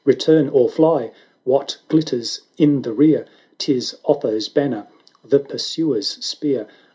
970 Return or fly !— What glitters in the rear? 'Tis Otho's banner — the pursuer's spear